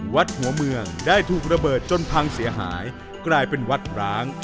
วัดหัวเมืองได้ถูกระเบิดจนพังเสียหายกลายเป็นวัดร้าง